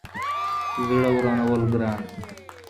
زړه ورانول ګران دي.